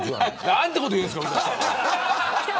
なんてこと言うんですか。